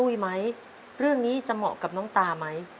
ไหมเรื่องนี้จะเหมาะกับน้องตาไหม